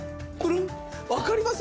わかります？